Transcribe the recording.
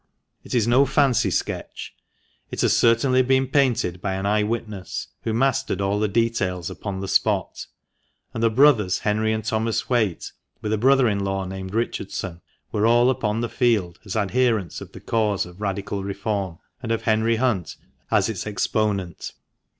It is no fancy sketch. It has certainly been painted by an eye witness, who mastered all the details upon the spot. And the brothers Henry and Thomas Whaite, with a brother in law named Richardson, were all upon the field as adherents of the cause of Radical reform, and of Henry Hunt as its exponent.